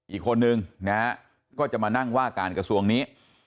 อีกคนนึงนะฮะก็จะมานั่งว่าการกระทรวงนี้